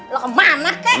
lo kemana nge